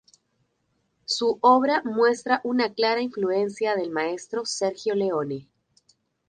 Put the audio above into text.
Su obra muestra una clara influencia del maestro Sergio Leone.